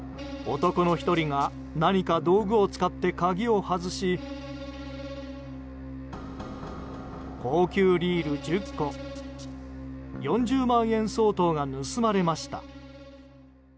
男の１人が何か道具を使って鍵を外し高級リール１０個４０万円相当が盗まれました。